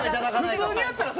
普通にやってたらね。